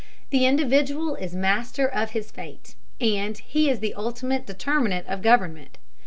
The individual is master of his fate, and he is the ultimate determinant of government.